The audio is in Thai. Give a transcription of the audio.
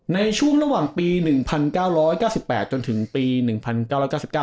ในช่วงระหว่างปีหนึ่งพันเก้าร้อยเก้าสิบแปดจนถึงปีหนึ่งพันเก้าร้อยเก้าสิบเก้า